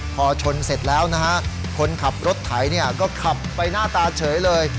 พอชนเสร็จแล้วนะฮะคนขับรถไถเนี่ยก็ขับไปหน้าตาเฉยเลย